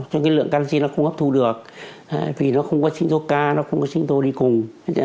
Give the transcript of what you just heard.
cho cái lượng canxi nó không hấp thu được vì nó không có sinh tố ca nó không có sinh tố đi cùng